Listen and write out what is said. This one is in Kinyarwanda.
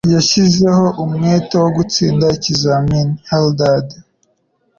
Yashyizeho umwete wo gutsinda ikizamini. (Eldad)